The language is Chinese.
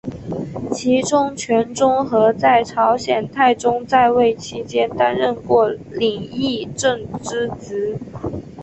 其中权仲和在朝鲜太宗在位期间担任过领议政之职。